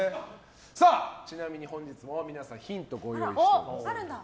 ちなみに本日も皆さんヒントご用意しております。